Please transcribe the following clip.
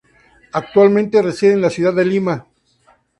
Actualmente reside en la ciudad de Lima.